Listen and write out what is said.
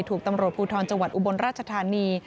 ถูกตำรวจภูทรจังหวัดอุบลราชธานี